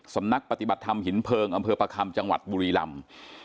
สำนักปฏิบัติธรรมหินเพลิงอำเภอประคำจังหวัดบุรีลำ